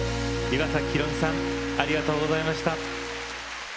岩崎宏美さんありがとうございました。